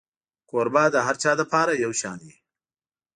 کوربه د هر چا لپاره یو شان وي.